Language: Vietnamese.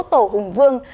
lễ hội đền hùng vương